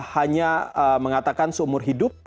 hanya mengatakan seumur hidup